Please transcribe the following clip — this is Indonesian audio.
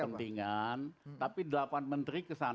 ada aroma kepentingan